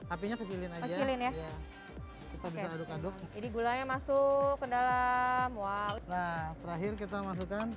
apinya kecilin aja ya kita bisa aduk aduk jadi gulanya masuk ke dalam waul terakhir kita masukkan